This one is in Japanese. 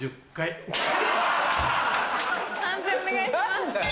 判定お願いします。